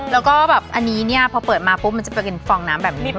แล้วก็แบบอันนี้เนี่ยพอเปิดมาปุ๊บมันจะไปเป็นฟองน้ำแบบนี้